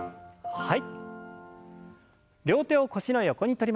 はい。